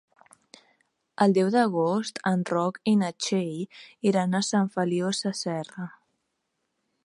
El deu d'agost en Roc i na Txell iran a Sant Feliu Sasserra.